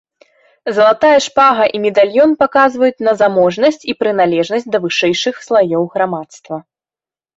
Залатая шпага і медальён паказваюць на заможнасць і прыналежнасць да вышэйшых слаёў грамадства.